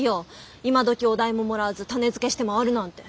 今どきお代ももらわず種付けして回るなんて。